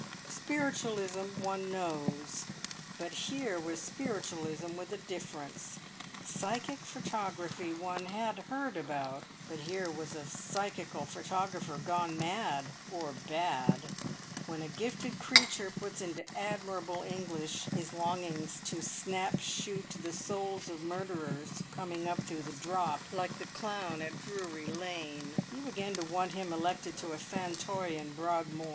Spiritualism one knows, but here was spiritualism with a difference; psychic photography one had heard about, but here was a psychical photographer gone mad or bad! When a gifted creature puts into admirable English his longing to snap shoot the souls of murderers coming up through the drop, like the clown at Drury Lane, you begin to want him elected to a fauteuil in Broadmoor.